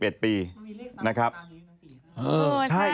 แล้วจะมีเลข๓บ้างอย่างเงี้ยที่ทั้งสาม